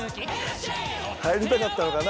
入りたかったのかな